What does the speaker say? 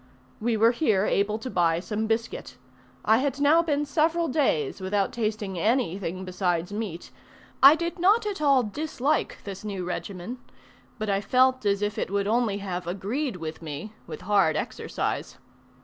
We were here able to buy some biscuit. I had now been several days without tasting anything besides meat: I did not at all dislike this new regimen; but I felt as if it would only have agreed with me with hard exercise.